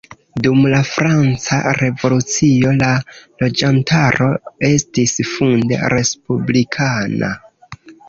Dum la franca revolucio, la loĝantaro estis funde respublikana.